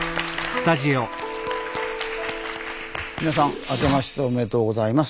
皆さんあけましておめでとうございます。